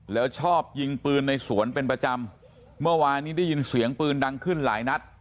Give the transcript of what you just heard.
แล้วชอบยิงปืนในสวนเป็นประจำเมื่อวานนี้ได้ยินเสียงปืนดังขึ้นหลายนัด